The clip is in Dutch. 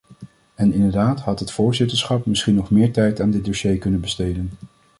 En inderdaad had het voorzitterschap misschien nog meer tijd aan dit dossier kunnen besteden.